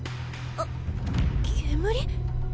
あっ煙？